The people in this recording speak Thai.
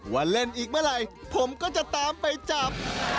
ว่าเล่นอีกเมื่อไหร่ผมก็จะตามไปจับ